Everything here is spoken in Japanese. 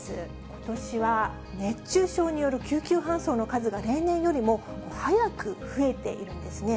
ことしは熱中症による救急搬送の数が、例年よりも早く増えているんですね。